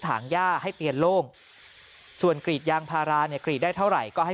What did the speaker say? ถังย่าให้เตียนโล่งส่วนกรีดยางพาราเนี่ยกรีดได้เท่าไหร่ก็ให้